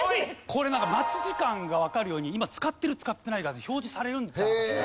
これなんか待ち時間がわかるように今使ってる使ってないが表示されるんですよ。